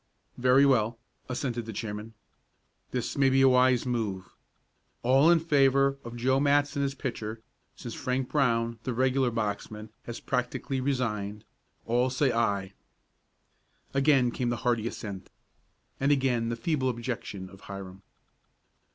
"Very well," assented the chairman. "This may be a wise move. All in favor of Joe Matson as pitcher, since Frank Brown, the regular boxman, has practically resigned all say 'aye.'" Again came the hearty assent, and again the feeble objection of Hiram.